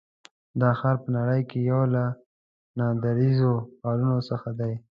دا ښار په نړۍ کې یو له ناندرییزو ښارونو څخه دی.